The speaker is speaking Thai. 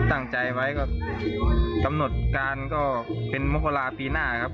ตั้งใจไว้ก็กำหนดการก็เป็นมกราปีหน้าครับ